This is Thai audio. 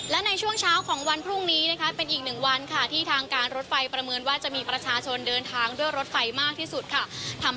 และในช่วงเช้าของวันพรุ่งนี้นะคะเป็นอีกหนึ่งวันค่ะที่ทางการรถไฟประเมินว่าจะมีประชาชนเดินทางด้วยรถไฟมากที่สุดค่ะ